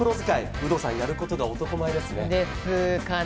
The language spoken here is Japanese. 有働さん、やることが男前ですね。